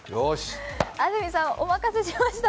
安住さん、お任せしました。